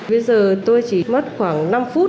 bây giờ tôi chỉ mất khoảng năm phút